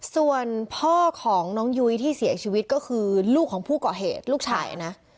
ส่วนพ่อของน้องยุ้ยที่เสียชีวิตก็คือลูกของผู้ก่อเหตุลูกชายนะ